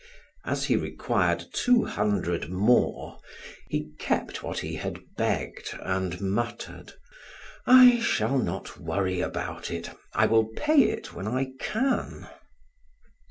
As he required two hundred more, he kept what he had begged and muttered: "I shall not worry about it. I will pay it when I can."